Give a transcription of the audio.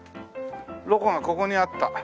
露瑚がここにあった。